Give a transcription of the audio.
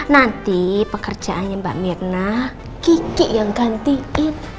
nanti pekerjaannya mbak mirna kiki yang gantiin